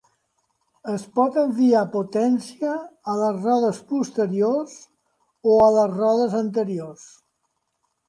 Es pot enviar potencia a les rodes posteriors o a les rodes anteriors.